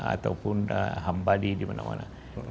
ataupun hambadi dimana mana